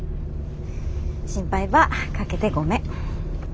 心配ばかけてごめん。